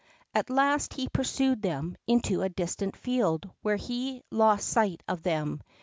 At last he pursued them into a distant field, where he lost sight of them.